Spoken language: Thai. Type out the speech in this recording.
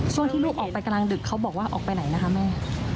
ช่วงที่ลูกออกไปกลางดึกเขาบอกว่าออกไปไหนนะคะแม่